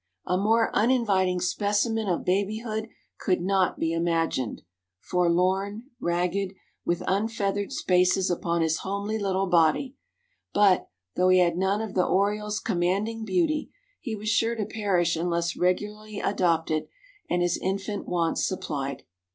A more uninviting specimen of babyhood could not be imagined, forlorn, ragged, with unfeathered spaces upon his homely little body; but, though he had none of the oriole's commanding beauty, he was sure to perish unless regularly adopted and his infant wants supplied.